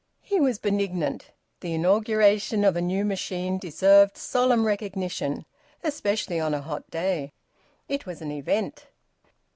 He was benignant. The inauguration of a new machine deserved solemn recognition, especially on a hot day. It was an event.